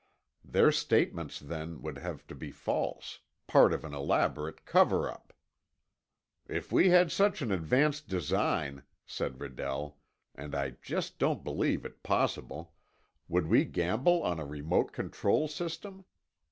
Their statements, then, would have to be false—part of an elaborate cover up. "If we had such an advanced design," said Redell, "and I just don't believe it possible—would we gamble on a remote control system?